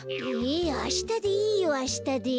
えあしたでいいよあしたで。